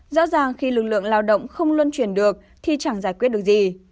rõ ràng khi lực lượng lao động không luân chuyển được thì chẳng giải quyết được gì